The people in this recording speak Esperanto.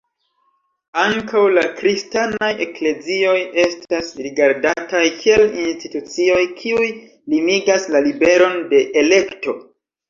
Ankaŭ la kristanaj eklezioj estas rigardataj kiel institucioj kiuj limigas la liberon de elekto.